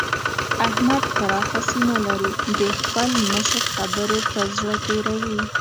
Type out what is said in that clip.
احمد پراخه سينه لري؛ د خپل مشر خبرې پر زړه تېروي.